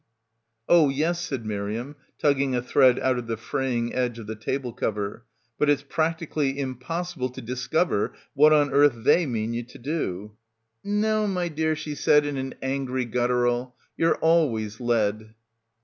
"Oh yes," said Miriam, tugging a thread out of the fraying edge of the table cover. "But it's practically impossible to discover what on earth they mean you to do." — 166 — BACKWATER "N — aiche, my dear," she said in an angry guttural, "ye're always led."